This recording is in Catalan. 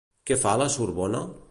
Què fa a la Sorbona?